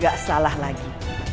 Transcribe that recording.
gak salah lagi